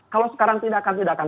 kalau sekarang tindakan tindakan